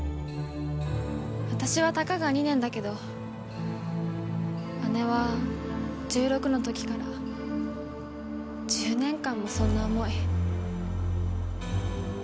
私はたかが２年だけど姉は十六の時から１０年間もそんな思い。